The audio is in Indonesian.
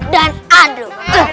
dan aduh aduh